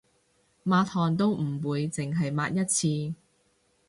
抹汗都唔會淨係抹一次